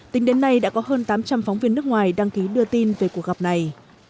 tính đến nay đã có hơn tám trăm linh phóng viên nước ngoài đăng ký đưa tin về cuộc gặp này